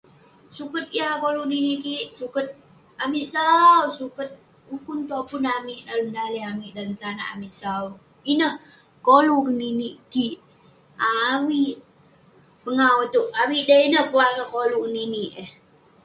Suket yah koluk ninik kik, sukat amik sau...suket ukun topun amik dalem daleh amik dalem tanak amik sau. Ineh koluk keninik kik. Aaavik pengawu iteuk. Avik de ineh pe akeuk koluk ngeninik eh.